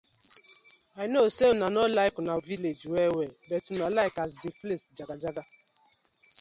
I no say una like una villag well well but una like as di place jagajaga so?